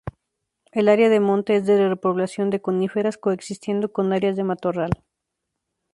El área de monte es de repoblación de coníferas, coexistiendo con áreas de matorral.